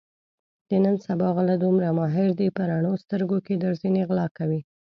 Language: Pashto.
د نن سبا غله دومره ماهر دي په رڼو سترګو کې درځنې غلا کوي.